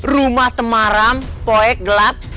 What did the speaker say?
rumah temaram poek gelap